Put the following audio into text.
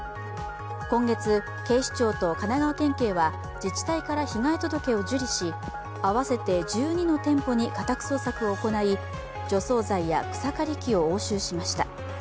今月、警視庁と神奈川県警は自治体から被害届を受理し合わせて１２の店舗に家宅捜索を行い、除草剤や草刈り機を押収しました。